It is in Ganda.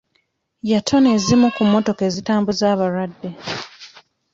Yatona ezimu ku mmotoka ezitambuza abalwadde.